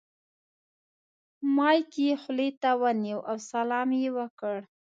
مایک یې خولې ته ونیو او سلام یې وکړ.